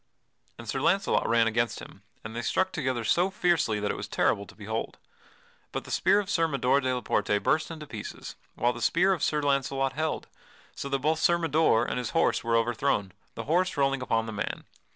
And Sir Launcelot ran against him, and they struck together so fiercely that it was terrible to behold. But the spear of Sir Mador de la Porte burst into pieces, whilst the spear of Sir Launcelot held, so that both Sir Mador and his horse were overthown, the horse rolling upon the man.